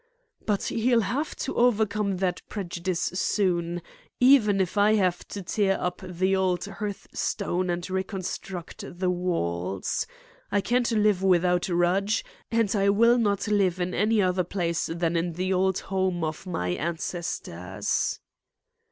"But he'll have to overcome that prejudice soon, even if I have to tear up the old hearthstone and reconstruct the walls. I can't live without Rudge, and I will not live in any other place than in the old home of my ancestors."